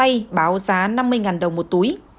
bà t bán một quả dứa báo giá năm mươi đồng một túi